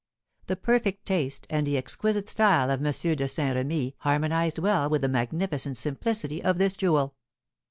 The perfect taste, and exquisite style of M. de Saint Remy harmonised well with the magnificent simplicity of this jewel.